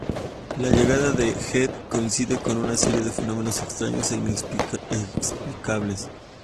La llegada de Jed coincide con una serie de fenómenos extraños e inexplicables.